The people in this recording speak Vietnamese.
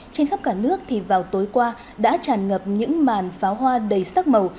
trên khắp cả nước thì vào tối qua đã tràn ngập những màn pháo hoa đầy sắc màu